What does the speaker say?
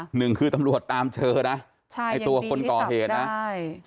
หนึ่งคือตำรวจตามเชอนะใช่ตัวคนก่อเหตุนะใช่ยังดีที่จับได้